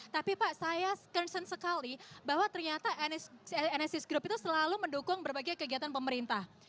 tapi pak saya concern sekali bahwa ternyata nsis group itu selalu mendukung berbagai kegiatan pemerintah